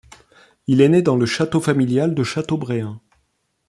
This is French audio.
Il est né dans le château familial de Château-Bréhain.